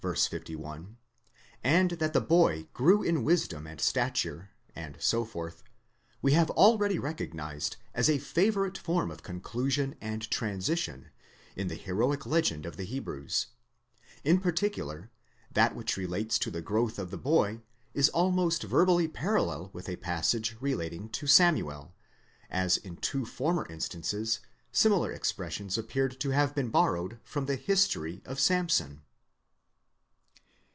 51), and that the boy grew in wisdom and stature, and so forth, we have already recognised as a favourite form of conclusion and transition in the heroic legend of the Hebrews; in particular, that which relates to the growth of the boy is almost verbally parallel with a passage relating to Samuel, as in two former instances similar expressions appeared to have been borrowed from the history of Samson.?!